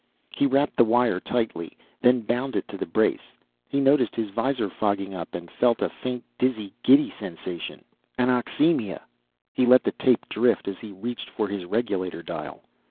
He wrapped the wire tightly, then bound it to the brace. He noticed his visor fogging up and felt a faint, giddy sensation. Anoxemia! He let the tape drift as he reached for his regulator dial.